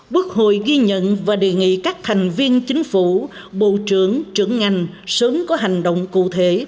quốc hội ghi nhận và đề nghị các thành viên chính phủ bộ trưởng trưởng ngành sớm có hành động cụ thể